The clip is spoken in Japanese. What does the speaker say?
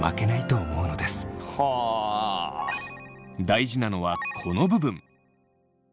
大事なのはこの部分。